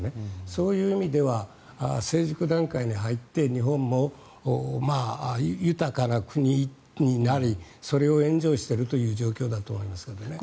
そういう意味では成熟段階に入って日本も豊かな国になりそれをエンジョイしているという状況だと思いますけどね。